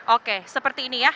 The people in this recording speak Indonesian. oke seperti ini ya